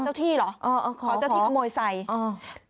ขอเจ้าที่เหรอขอเจ้าที่ขโมยไซด์